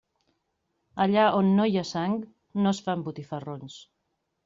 Allà on no hi ha sang no es fan botifarrons.